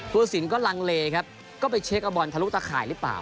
ผู้สินก็ลังเลครับก็ไปเช็คเอาบอลทะลุตะข่ายหรือเปล่า